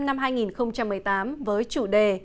năm hai nghìn một mươi tám với chủ đề